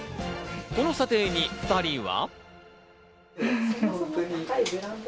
この査定に２人は。